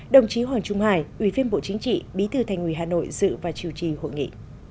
đồng chí hoàng trung hải ubnd bí tư thành ủy hà nội dự và chiều trì hội nghị